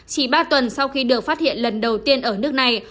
chỉ ba tuần sau khi được phát hiện lần đầu tiên ở nước này